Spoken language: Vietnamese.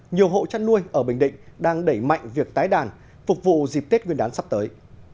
nhiều hộ chăn nuôi ở bình định đang đẩy mạnh việc tái đàn phục vụ dịp tết nguyên đán sắp tới